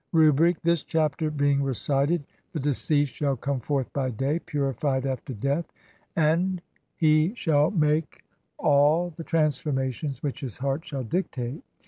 Rubric : this chapter being recited, the deceased shall come FORTH BY DAY, PURIFIED AFTER DEATH, (6) AND [HE SHALL MAKE ALL] THE" TRANSFORMATIONS WHICH HIS HEART SHALL DICTATE.